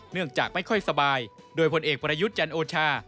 เนื่องจากไม่ค่อยสบายโดยพลเอกประยุทธ์จันโอชา